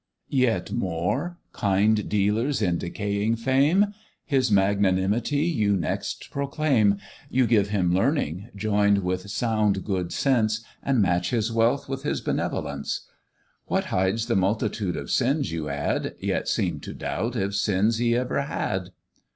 Yet more, kind dealers in decaying fame? His magnanimity you next proclaim; You give him learning, join'd with sound good sense, And match his wealth with his benevolence; What hides the multitude of sins, you add, Yet seem to doubt if sins he ever had.